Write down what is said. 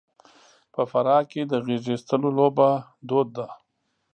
په فراه کې د غېږاېستلو لوبه دود ده.